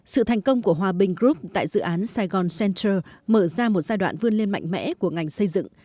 sự thành công của hòa bình group tại dự án sài gòn center mở ra một giai đoạn vươn lên mạnh mẽ của ngành xây dựng